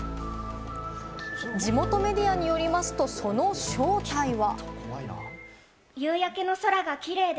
地元メディアによりますと、その正体は。